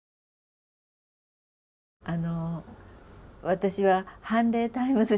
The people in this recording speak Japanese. あの私は「判例タイムズ」